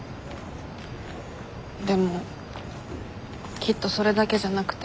でもきっとそれだけじゃなくて。